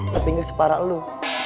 tapi gak separah lo